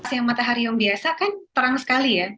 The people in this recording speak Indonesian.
pas yang matahari yang biasa kan terang sekali ya